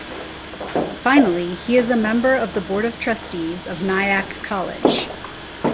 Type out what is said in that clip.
Finally, he is a member of the Board of Trustees of Nyack College.